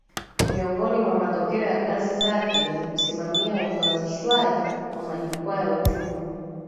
Miongoni mwa matokeo ya kazi zake ni kusimamia uanzishwaji wa majukwaa ya uchumi